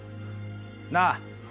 なあ？